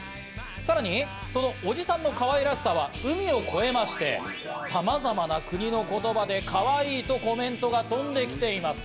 さらに、そのおじさんのかわいらしさは海を越えまして、さまざまな国の言葉でかわいいとコメントが飛んできています。